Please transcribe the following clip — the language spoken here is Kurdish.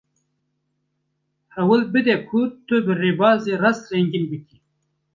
Hewil bide ku tu bi rêbazê rast rengîn bikî.